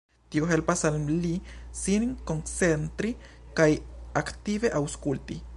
Tio helpas al li sin koncentri kaj aktive aŭskulti.